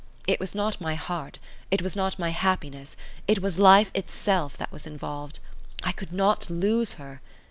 It was not my heart, it was not my happiness, it was life itself that was involved. I could not lose her.